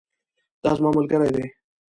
دا زما ملګری دی